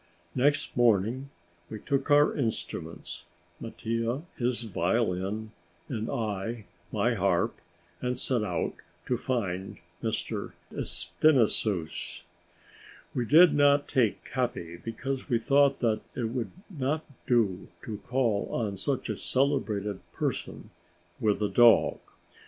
Next morning we took our instruments, Mattia his violin and I my harp, and set out to find M. Espinassous. We did not take Capi, because we thought that it would not do to call on such a celebrated person with a dog.